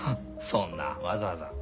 そんなわざわざ。